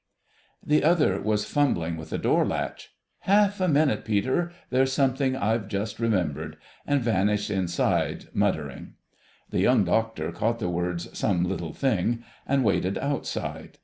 The other was fumbling with the door latch. "Half a minute, Peter, there's something I've just remembered..." and vanished inside muttering. The Young Doctor caught the words "some little thing," and waited outside.